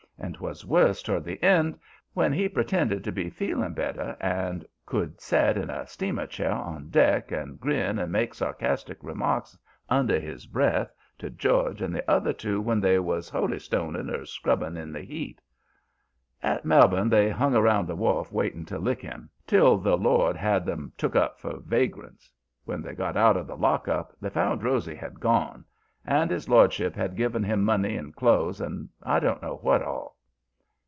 And 'twas worse toward the end, when he pretended to be feeling better, and could set in a steamer chair on deck and grin and make sarcastic remarks under his breath to George and the other two when they was holystoning or scrubbing in the heat. "At Melbourne they hung around the wharf, waiting to lick him, till the lord had 'em took up for vagrants. When they got out of the lockup they found Rosy had gone. And his lordship had given him money and clothes, and I don't know what all.